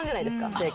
正解。